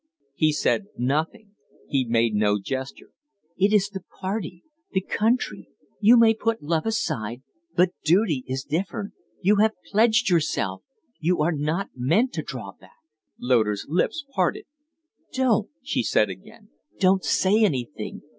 He said nothing; he made no gesture. "It is the party the country. You may put love aside, but duty is different. You have pledged yourself. You are not meant to draw back." Loder's lips parted. "Don't!" she said again. "Don't say anything!